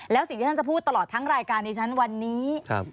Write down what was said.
แล้วสิ่งที่ท่านจะพูดตลอดทั้งรายการดิฉันวันนี้